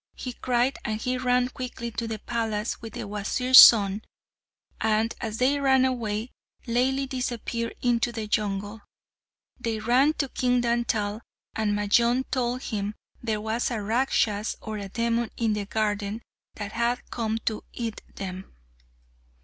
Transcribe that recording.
he cried, and he ran quickly to the palace with the Wazir's son; and as they ran away, Laili disappeared into the jungle. They ran to King Dantal, and Majnun told him there was a Rakshas or a demon in the garden that had come to eat them.